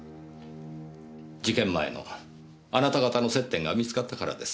事件前のあなた方の接点が見つかったからです。